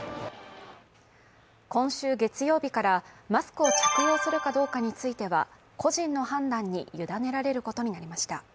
今週月曜日からマスクを着用するかどうかについては個人の判断に委ねられることになりました。